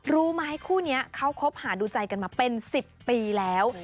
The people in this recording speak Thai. รู้ไหมคู่นี้เขาคบหาดูใจกันมาเป็น๑๐ปีแล้ว